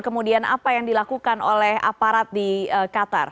kemudian apa yang dilakukan oleh aparat di qatar